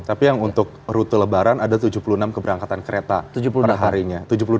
tapi yang untuk rute lebaran ada tujuh puluh enam keberangkatan kereta perharinya